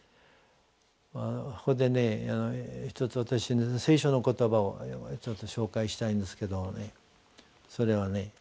ここでね一つ私聖書の言葉を紹介したいんですけどもねそれはね